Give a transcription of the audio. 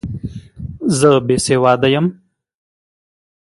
زه بې سواده یم!